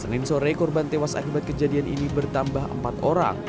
senin sore korban tewas akibat kejadian ini bertambah empat orang